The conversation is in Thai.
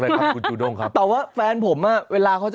ใช่คือเวลาหิวนะ